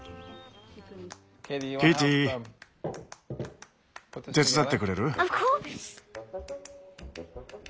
ケイティ手伝ってくれる？